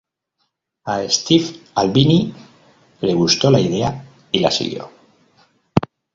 A Steve Albini le gustó la idea y la siguió.